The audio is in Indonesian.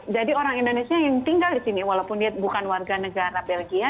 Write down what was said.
jadi orang indonesia yang tinggal di sini walaupun dia bukan warga negara belgia